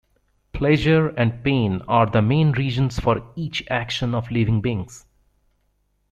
Pleasure and pain are the main reasons for each action of living beings.